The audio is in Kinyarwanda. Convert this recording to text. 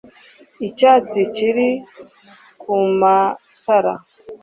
icyatsi kiri kumatara